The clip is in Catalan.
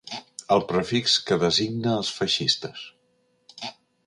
El prefix que designa els feixistes.